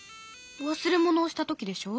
忘れ物をした時でしょ。